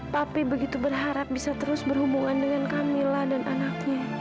papi begitu berharap bisa terus berhubungan dengan camilla dan anaknya